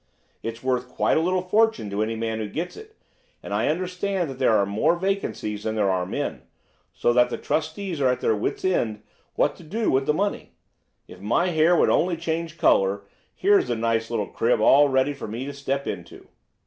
It's worth quite a little fortune to any man who gets it, and I understand that there are more vacancies than there are men, so that the trustees are at their wits' end what to do with the money. If my hair would only change colour, here's a nice little crib all ready for me to step into.